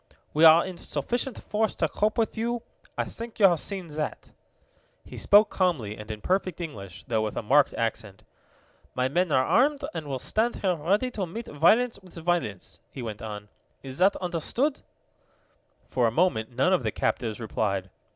"We are in sufficient force to cope with you. I think you have seen that." He spoke calmly and in perfect English, though with a marked accent. "My men are armed, and will stand here ready to meet violence with violence," he went on. "Is that understood?" For a moment none of the captives replied.